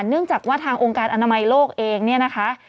เนื่องจากว่าทางองค์การอนามัยโลกเองเนี่ยนะคะ